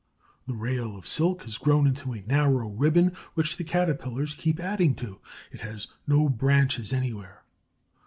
The rail of silk has grown into a narrow ribbon, which the Caterpillars keep adding to. It has no branches anywhere.